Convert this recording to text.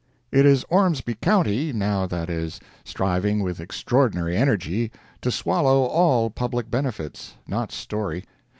It is Ormsby county, now that is striving with extraordinary energy, to swallow all public benefits—not Storey.